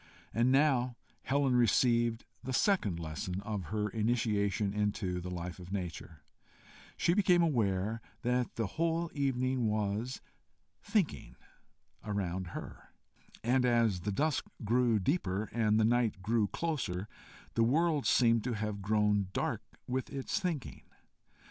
And now Helen received the second lesson of her initiation into the life of nature: she became aware that the whole evening was thinking around her, and as the dusk grew deeper and the night grew closer, the world seemed to have grown dark with its thinking.